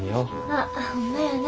あっホンマやな。